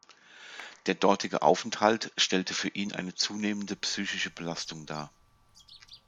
Der dortige Aufenthalt stellte für ihn eine zunehmende psychische Belastung dar.